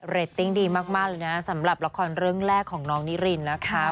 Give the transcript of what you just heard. ตติ้งดีมากเลยนะสำหรับละครเรื่องแรกของน้องนิรินนะคะ